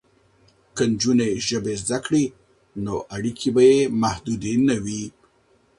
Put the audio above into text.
که نجونې ژبې زده کړي نو اړیکې به یې محدودې نه وي.